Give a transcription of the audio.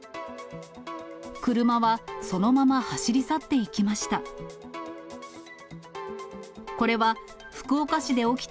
車はそのまま走り去っていきました。